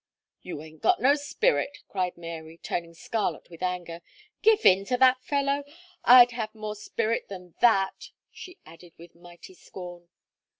"You ain't got no spirit!" cried Mary, turning scarlet with anger. "Give in to that fellow! I'd have more spirit than that," she added with mighty scorn.